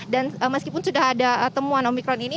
dan meskipun sudah ada temuan omikron ini